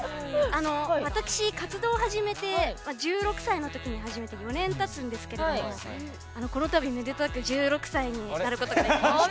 あのわたくし活動を始めて１６歳の時に始めて４年たつんですけどもこの度めでたく１６歳になることができまして。